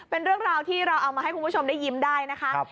เป็นเรื่องราวที่เราเอามาให้คุณผู้ชมได้ยิ้มได้นะคะ